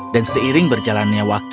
dan seiring berjalannya waktu